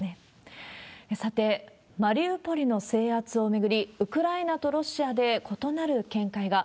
さて、マリウポリの制圧を巡り、ウクライナとロシアで異なる見解が。